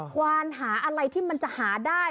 ควานหาอะไรที่มันจะหาได้